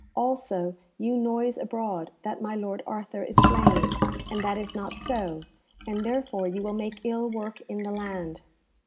Also, you noise abroad that my lord Arthur is slain, and that is not so, and therefore you will make ill work in the land."